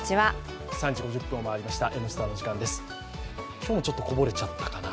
今日もちょっとこぼれちゃったかな。